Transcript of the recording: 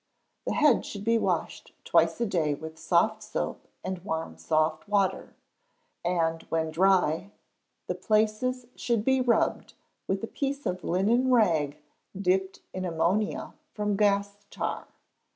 The head should be washed twice a day with soft soap and warm soft water, and when dry the places should be rubbed with a piece of linen rag dipped in ammonia from gas tar.